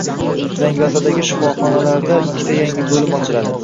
Zangiotadagi shifoxonalarida ikkita yangi bo‘lim ochiladi